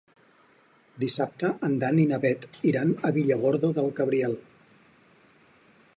Dissabte en Dan i na Bet iran a Villargordo del Cabriel.